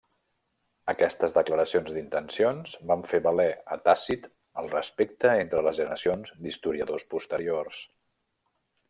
Aquestes declaracions d'intencions van fer valer a Tàcit el respecte entre les generacions d'historiadors posteriors.